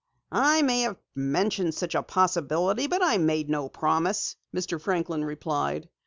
"I may have mentioned such a possibility, but I made no promise," Mr. Franklin replied.